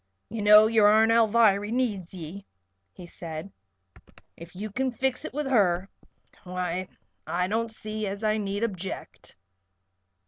"You know your Aunt Alviry needs ye," he said. "If you kin fix it with her, why I don't see as I need object."